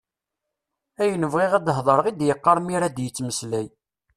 Ayen bɣiɣ ad hedreɣ i d-yeqqar mi ara d-yettmeslay.